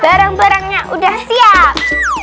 barang barangnya udah siap